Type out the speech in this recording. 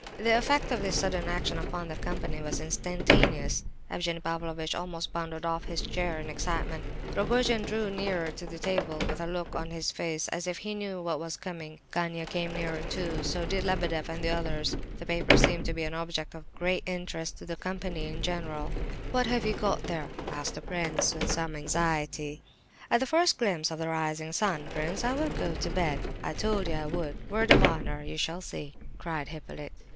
The effect of this sudden action upon the company was instantaneous. Evgenie Pavlovitch almost bounded off his chair in excitement. Rogojin drew nearer to the table with a look on his face as if he knew what was coming. Gania came nearer too; so did Lebedeff and the others—the paper seemed to be an object of great interest to the company in general. "What have you got there?" asked the prince, with some anxiety. "At the first glimpse of the rising sun, prince, I will go to bed. I told you I would, word of honour! You shall see!" cried Hippolyte.